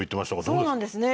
そうなんですね。